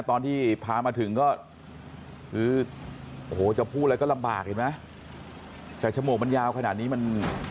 ตอนที่พามาถึงก็คือโอ้โหจะพูดอะไรก็ลำบากเห็นไหมแต่จมูกมันยาวขนาดนี้มัน